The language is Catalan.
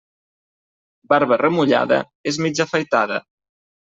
Barba remullada, és mig afaitada.